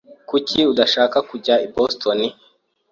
Kuki dushaka kujya i Boston?